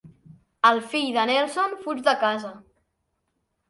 El fill de Nelson fuig de casa.